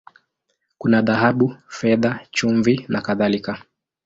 Kuna dhahabu, fedha, chumvi, na kadhalika.